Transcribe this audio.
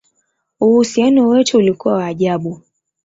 Uhusiano wetu ulikuwa wa ajabu!